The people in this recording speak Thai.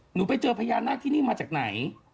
หนูไปเจอพญานาคที่นี่มาจากไหน